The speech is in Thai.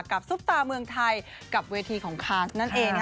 กับสุปราเมืองไทยกับเวทีของคาร์ดส์นั่นเอง